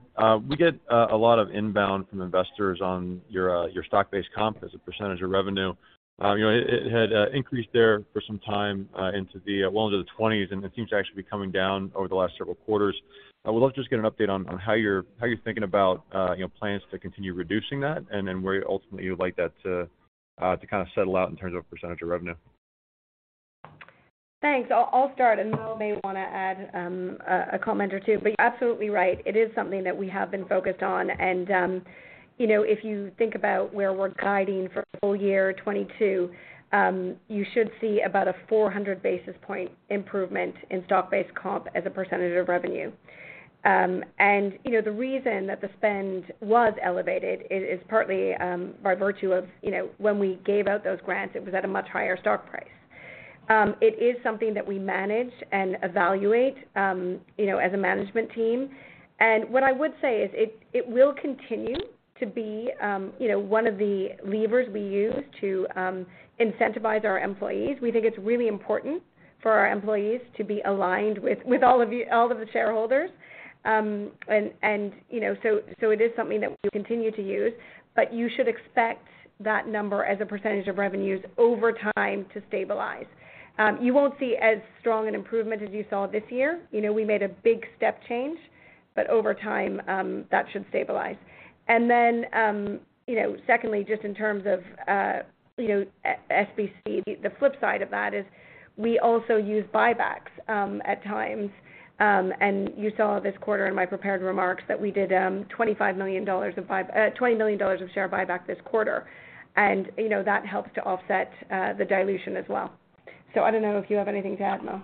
We get a lot of inbound from investors on your stock-based comp as a percentage of revenue. You know, it had increased there for some time well into the twenties, and it seems to actually be coming down over the last several quarters. I would love to just get an update on how you're thinking about, you know, plans to continue reducing that and then where ultimately you'd like that to kind of settle out in terms of percentage of revenue. Thanks. I'll start, and Mo may wanna add a comment or two. You're absolutely right, it is something that we have been focused on. If you think about where we're guiding for full-year 2022, you should see about a 400 basis point improvement in stock-based comp as a percentage of revenue. The reason that the spend was elevated is partly by virtue of when we gave out those grants, it was at a much higher stock price. It is something that we manage and evaluate as a management team. What I would say is it will continue to be one of the levers we use to incentivize our employees. We think it's really important for our employees to be aligned with all of you, all of the shareholders. It is something that we continue to use. You should expect that number as a percentage of revenues over time to stabilize. You won't see as strong an improvement as you saw this year. We made a big step change, but over time that should stabilize. Secondly, just in terms of SBC, the flip side of that is we also use buybacks at times. You saw this quarter in my prepared remarks that we did $20 million of share buyback this quarter. That helps to offset the dilution as well. I don't know if you have anything to add, Mo.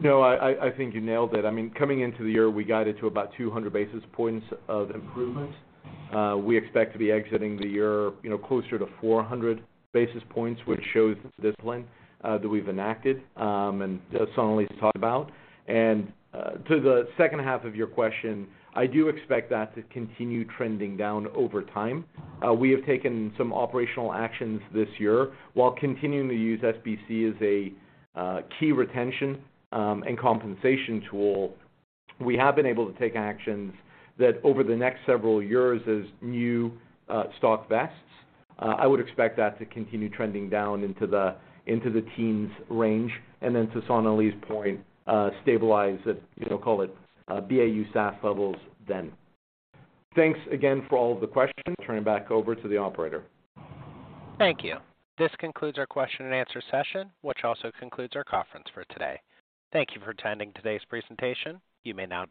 No, I think you nailed it. I mean, coming into the year, we got it to about 200 basis points of improvement. We expect to be exiting the year, you know, closer to 400 basis points, which shows the discipline that we've enacted, and Sonalee's talked about. To the second half of your question, I do expect that to continue trending down over time. We have taken some operational actions this year. While continuing to use SBC as a key retention and compensation tool, we have been able to take actions that over the next several years as new stock vests, I would expect that to continue trending down into the teens range. To Sonalee's point, stabilize at, you know, call it, BAU SaaS levels then. Thanks again for all of the questions. I'll turn it back over to the operator. Thank you. This concludes our question and answer session, which also concludes our conference for today. Thank you for attending today's presentation. You may now.